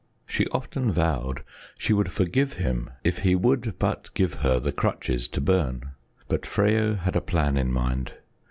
She often vowed she would forgive him if he would but give her the crutches to burn. But Freyo had a plan in mind.